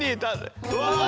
うわ！